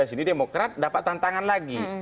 ini demokrat dapat tantangan lagi